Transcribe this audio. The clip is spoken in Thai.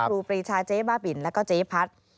ครูปีชาเจ๊บ้าบินแล้วก็เจ๊พัด